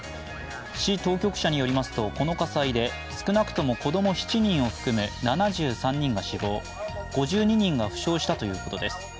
市当局者によりますと、この火災で少なくとも子ども７人を含む７３人が死亡、５２人が負傷したということです。